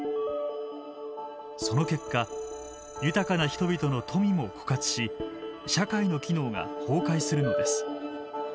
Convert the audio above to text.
その結果豊かな人々の富も枯渇し社会の機能が崩壊するのです。